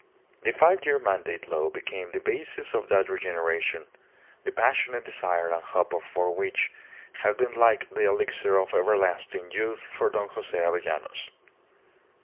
The Five Year Mandate law became the basis of that regeneration, the passionate desire and hope for which had been like the elixir of everlasting youth for Don Jose Avellanos.